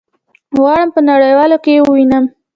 غواړم په نړيوالو کي يي ووينم